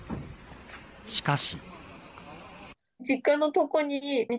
しかし。